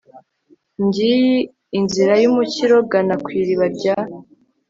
ngiyi inzira y'umukiro, gana ku iriba rya